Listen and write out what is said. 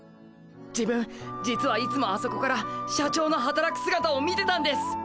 自分実はいつもあそこから社長のはたらくすがたを見てたんです。